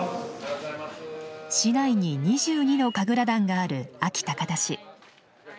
市内に２２の神楽団がある安芸高田市。